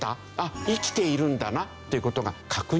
生きているんだなっていう事が確認できると。